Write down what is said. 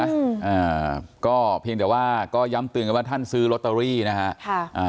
อ่าก็เพียงแต่ว่าก็ย้ำเตือนกันว่าท่านซื้อลอตเตอรี่นะฮะค่ะอ่า